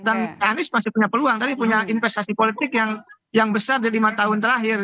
dan anies masih punya peluang tadi punya investasi politik yang besar di lima tahun terakhir